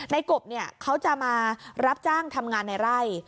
นายกบเนี่ยเขาจะมารับจ้างทำงานในไร่